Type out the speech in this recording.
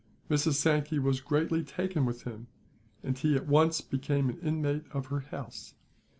Mrs. Sankey was greatly taken with him, and he at once became an inmate of her house.